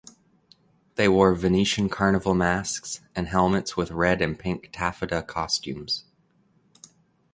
They wore Venetian carnival masks and helmets with red and pink taffeta costumes.